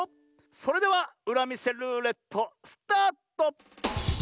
それではうらみせルーレットスタート！